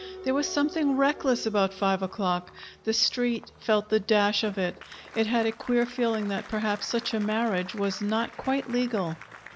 There was something reckless about five o'clock. The Street felt the dash of it. It had a queer feeling that perhaps such a marriage was not quite legal.